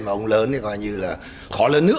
mà ông lớn thì gọi như là khó lớn nữa